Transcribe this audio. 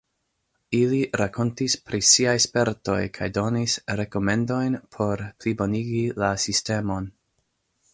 Ili rakontis pri siaj spertoj kaj donis rekomendojn por plibonigi la sistemon.